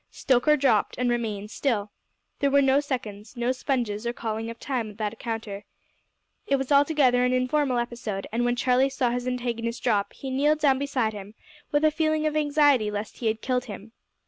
Stoker dropped and remained still. There were no seconds, no sponges or calling of time at that encounter. It was altogether an informal episode, and when Charlie saw his antagonist drop, he kneeled down beside him with a feeling of anxiety lest he had killed him.